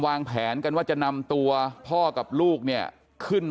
อืมอืมอืมอืมอืม